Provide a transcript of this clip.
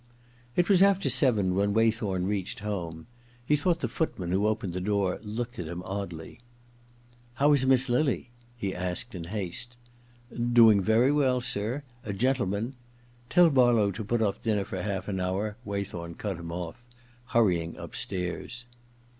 It was after seven when Waythorn reached home. He thought the footman who opened the door looked at him oddly. ' How is Miss Lily ?' he asked in haste. 52 THE OTHER TWO ii * Doing very well, sir. A gendeman * Tell Barlow to put ofF dinner for half an hour,' Waythorn cut him off, hurrying upstairs.